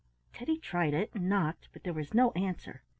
Teddy tried it and knocked, but there was no answer.